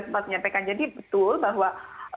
sempat menyampaikan jadi betul bahwa